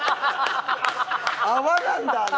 泡なんだあれ！